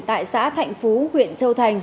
tại xã thạnh phú huyện châu thành